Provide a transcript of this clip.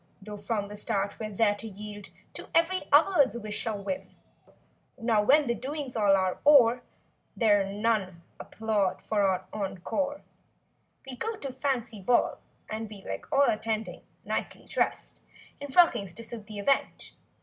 Though from the start we're there to yield To every other's wish or whim. Now when the doings all are o'er There're none applaud for an encore. We go to fancy ball and we Like all attending—nicely dressed In frockings to suit the event.